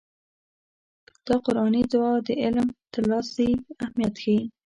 دا قرآني دعا د علم ترلاسي اهميت ښيي.